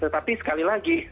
tetapi sekali lagi